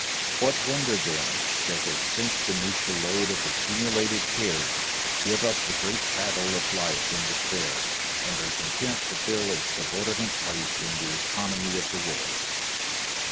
What wonder, then, that they sink beneath the load of accumulated cares, give up the great battle of life in despair, and are content to fill a subordinate place in the economy of the world?